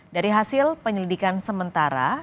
dari hasil penyelidikan sementara